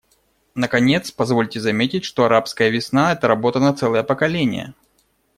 Наконец, позвольте заметить, что «арабская весна» — это работа на целое поколение.